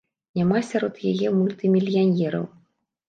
Няма сярод яе мультымільянераў.